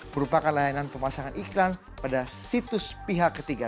merupakan layanan pemasangan iklan pada situs pihak ketiga